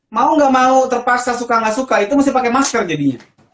mau nggak mau terpaksa suka nggak suka itu mesti pakai masker jadinya